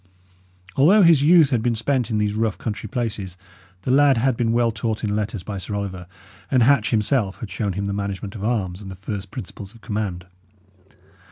Although his youth had been spent in these rough, country places, the lad had been well taught in letters by Sir Oliver, and Hatch himself had shown him the management of arms and the first principles of command.